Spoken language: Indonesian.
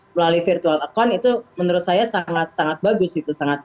melalui virtual account itu menurut saya sangat sangat bagus